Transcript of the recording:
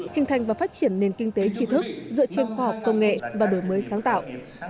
hình thành và phát triển nền kinh tế trí thức dựa trên khoa học công nghệ và đổi mới sáng tạo